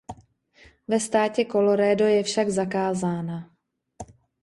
Ve státě Colorado je však zakázána.